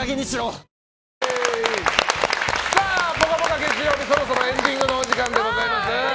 月曜日そろそろエンディングのお時間でございます。